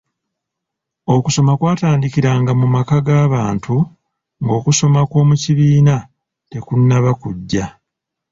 Okusoma kwatandikiranga mu maka g'abantu ng'okusoma okw'omu kibiina tekunnaba kujja.